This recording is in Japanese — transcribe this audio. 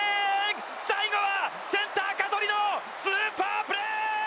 最後はセンター、香取のスーパープレー！